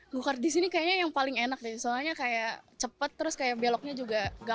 go kart di sini kayaknya yang paling enak deh soalnya kayak cepet terus kayak beloknya juga gak